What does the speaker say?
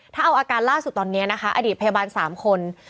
ถ้าเอาอาการล่าสุดตอนนี้นะคะอดีตพยาบาล๓คน